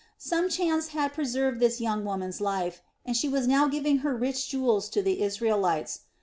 Some chance had preserved this young woman's life, and she was now giving her rich jewels to the Israelites.